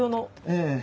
ええ。